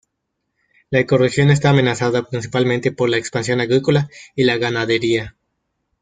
La ecorregión está amenazada principalmente por la expansión agrícola y la ganadería.